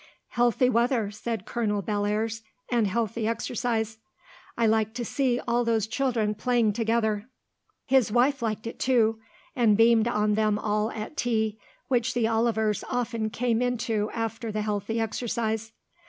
"Healthy weather," said Colonel Bellairs, "and healthy exercise. I like to see all those children playing together." His wife liked it too, and beamed on them all at tea, which the Olivers often came in to after the healthy exercise.